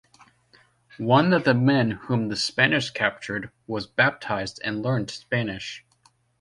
One of the men whom the Spanish captured was baptized and learned Spanish.